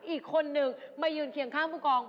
อีกคนนึงมายืนเคียงข้างผู้กอง